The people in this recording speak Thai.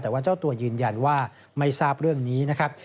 แต่ว่าเจ้าตัวยืนยันว่าไม่ทราบเรื่องนี้นะครับ